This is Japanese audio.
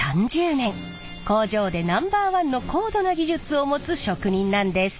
工場でナンバーワンの高度な技術を持つ職人なんです。